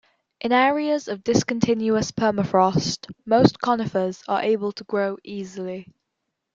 In areas of discontinuous permafrost, most conifers are able to grow easily.